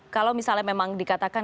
kalau misalnya memang dikatakan